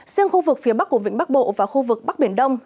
riêng khu vực phía bắc của vĩnh bắc bộ và khu vực bắc biển đông